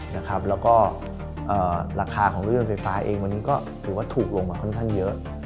แล้วก็ราคาของรถยนต์ไฟฟ้าเองวันนี้ก็ถือว่าถูกลงมาค่อนข้างเยอะ